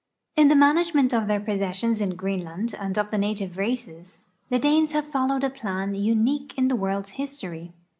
In the management of their jjossessions in Greenland and of the native races, the Danes have followed a plan unicpie in the world's history.